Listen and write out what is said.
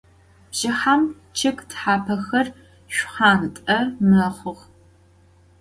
Bjjıhem ççıg thapexer şşxhuant'e mexhux.